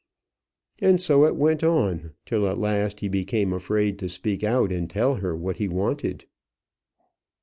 And so it went on, till at last he became afraid to speak out and tell her what he wanted.